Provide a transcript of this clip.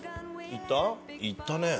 いったね。